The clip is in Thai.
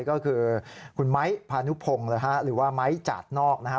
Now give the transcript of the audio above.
ก็คือคุณไม้พานุพงศ์หรือว่าไม้จาดนอกนะฮะ